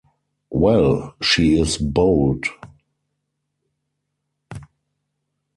Well, she is bold!